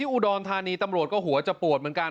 อุดรธานีตำรวจก็หัวจะปวดเหมือนกัน